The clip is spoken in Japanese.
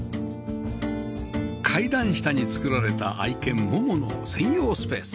階段下に作られた愛犬モモの専用スペース